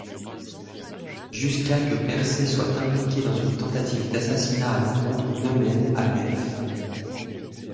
Jusqu'à que Persée soit impliqué dans une tentative d'assassinat à l'encontre d'Eumène à Delphes.